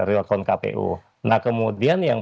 rilakon kpu nah kemudian yang